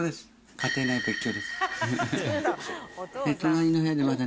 家庭内別居です。